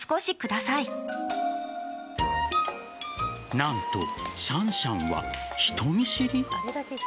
何とシャンシャンは人見知り？